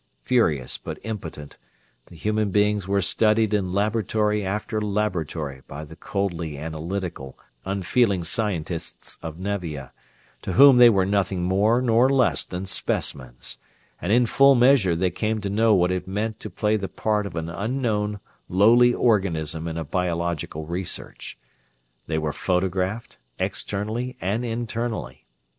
Furious but impotent, the human beings were studied in laboratory after laboratory by the coldly analytical, unfeeling scientists of Nevia, to whom they were nothing more nor less than specimens; and in full measure they came to know what it meant to play the part of an unknown, lowly organism in a biological research. They were photographed, externally and internally.